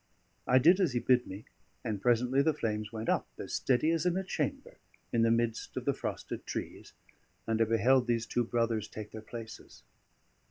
I did as he bid me, and presently the flames went up, as steady as in a chamber, in the midst of the frosted trees, and I beheld these two brothers take their places.